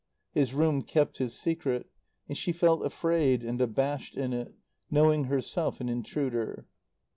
His room kept his secret, and she felt afraid and abashed in it, knowing herself an intruder.